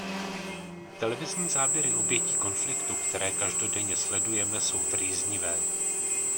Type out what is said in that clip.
Televizní záběry obětí konfliktu, které každodenně sledujeme, jsou trýznivé.